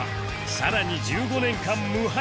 更に１５年間無敗